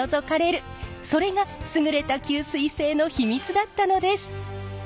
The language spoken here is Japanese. それが優れた吸水性の秘密だったのです。